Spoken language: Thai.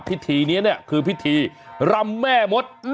พิธีนี้เนี่ยคือพิธีรำแม่มด